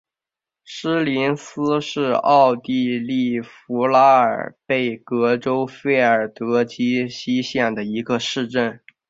施林斯是奥地利福拉尔贝格州费尔德基希县的一个市镇。